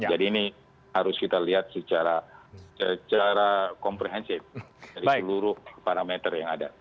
jadi ini harus kita lihat secara komprehensif dari seluruh parameter yang ada